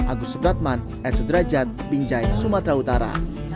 agus soebratman edso derajat binjai sumatera utara